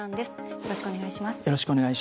よろしくお願いします。